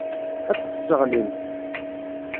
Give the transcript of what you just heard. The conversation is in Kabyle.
Ad t-tesseɣlimt.